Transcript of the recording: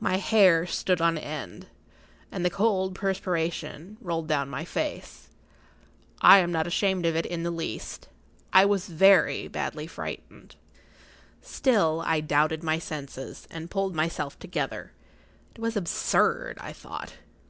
My hair stood on end, and the cold perspiration rolled down my face. I am not ashamed of it in the least: I was very badly frightened. Still I doubted my senses, and pulled myself together. It was absurd, I thought.